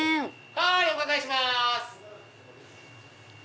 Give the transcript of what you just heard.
はいお伺いします。